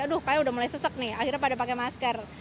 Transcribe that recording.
aduh kayaknya udah mulai sesek nih akhirnya pada pakai masker